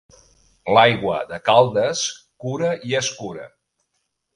L'aigua de Caldes cura i escura.